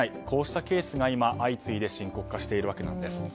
こうしたケースが今、相次いで深刻化しているわけなんです。